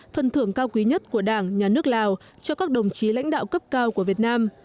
phần thưởng cao quý nhất của đảng nhà nước lào cho các đồng chí lãnh đạo cấp cao của việt nam